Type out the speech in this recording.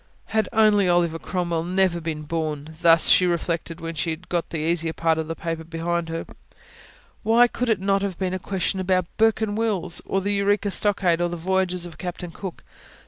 Had only Oliver Cromwell never been born! thus she reflected, when she had got the easier part of the paper behind her. Why could it not have been a question about Bourke and Wills, or the Eureka Stockade, or the voyages of Captain Cook?